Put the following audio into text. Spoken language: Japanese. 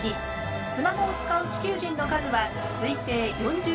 スマホを使う地球人の数は推定４０億人。